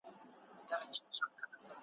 چي ماښام سو غم نازل د آس بېلتون سو `